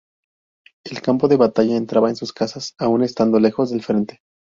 El campo de batalla entraba en sus casas, aun estando lejos del frente.